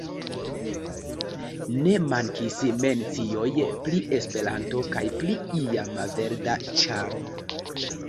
Ne mankis mencioj pri Esperanto kaj pri la iama Verda Ĉaro.